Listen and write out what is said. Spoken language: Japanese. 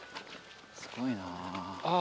すごいなあ。